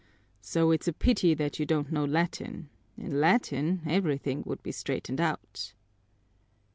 So, it's a pity that you don't know Latin. In Latin everything would be straightened out."